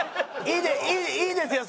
いいですよ。